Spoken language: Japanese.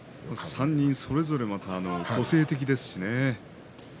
３人それぞれ個性的ですしね。